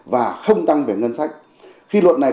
và không tăng về ngân sách khi luật này